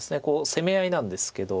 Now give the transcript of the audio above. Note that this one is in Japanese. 攻め合いなんですけど。